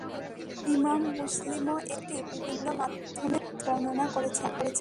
ইমাম মুসলিমও এ হাদীসটি বিভিন্ন মাধ্যমে বর্ণনা করেছেন।